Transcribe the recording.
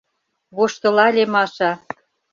— воштылале Маша.